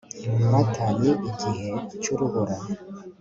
mata ni igihe cy'urubura